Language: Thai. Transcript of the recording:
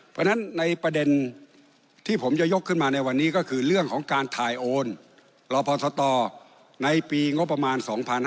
เพราะฉะนั้นในประเด็นที่ผมจะยกขึ้นมาในวันนี้ก็คือเรื่องของการถ่ายโอนรอพอสตในปีงบประมาณ๒๕๕๙